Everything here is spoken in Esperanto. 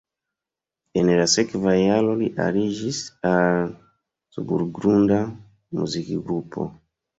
En la sekva jaro li aliĝis al subgrunda muzikgrupo.